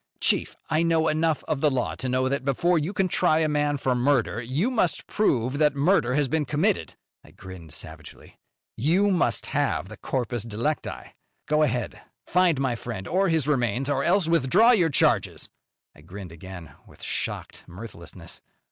"Chief, I know enough of the law to know that, before you can try a man for murder, you must prove that murder has been committed." I grinned savagely. "You must have the corpus delicti. Go ahead! Find my friend or his remains, or else withdraw your charges." I grinned again, with shocked mirthlessness.